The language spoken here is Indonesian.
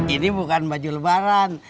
ini bukan baju lebaran